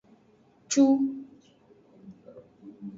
Cu.